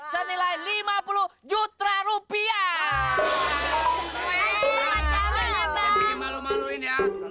senilai lima puluh juta rupiah